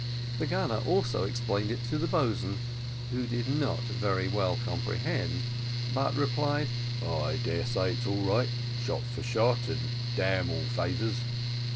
The gunner also explained it to the boatswain, who did not very well comprehend, but replied: "I dare say it's all right shot for shot, and damn all favours."